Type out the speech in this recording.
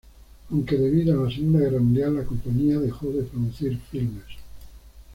Aunque debido a la segunda guerra mundial, la compañía dejó de producir filmes.